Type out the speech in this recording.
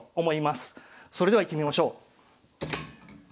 それではいってみましょう。